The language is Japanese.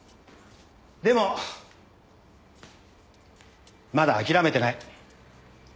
でもまだ諦めてない。